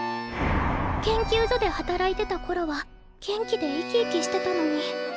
研究所で働いてたころは元気で生き生きしてたのに。